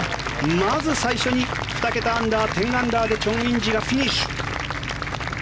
まず最初に２桁アンダー１０アンダーでチョン・インジがフィニッシュ。